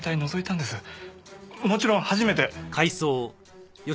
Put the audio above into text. もちろん初めて。